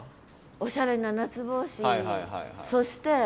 おしゃれな夏帽子にそして